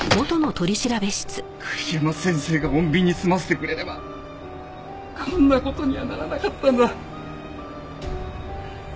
栗山先生が穏便に済ませてくれればこんな事にはならなかったんだ。